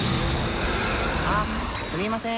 あすみません。